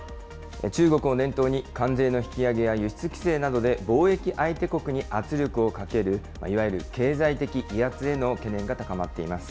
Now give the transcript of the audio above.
中国を念頭に関税の引き上げや輸出規制などで貿易相手国に圧力をかけるいわゆる経済的威圧への懸念が高まっています。